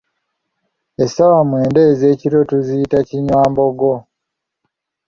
Essaawa mwenda ez'ekiro tuziyita "Kinywambogo".